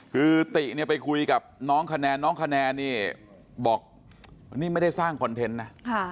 คือติเนี่ยไปคุยกับน้องคะแนนน้องคะแนนนี่บอกนี่ไม่ได้สร้างคอนเทนต์นะ